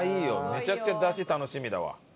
めちゃくちゃだし楽しみだわ。